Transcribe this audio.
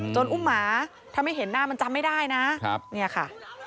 อุ้มหมาถ้าไม่เห็นหน้ามันจำไม่ได้นะเนี่ยค่ะ